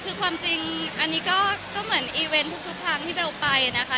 คือความจริงอันนี้ก็เหมือนนานอีเวนที่เบลไปนะคะ